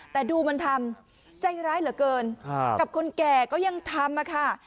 แต่ดูมันทำใจร้ายเหลือเกินกับคนแก่ก็ยังทำค่ะ